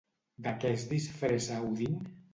De què es disfressa Odín?